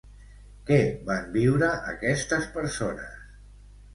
Què van viure, aquestes persones?